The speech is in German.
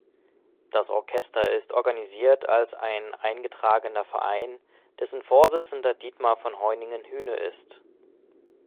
Das Orchester ist organisiert als ein eingetragener Verein, dessen Vorsitzender Dietmar von Hoyningen-Huene ist.